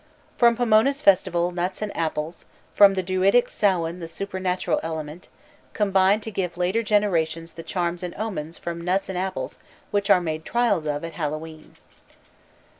From Pomona's festival nuts and apples, from the Druidic Samhain the supernatural element, combined to give later generations the charms and omens from nuts and apples which are made trial of at Hallowe'en.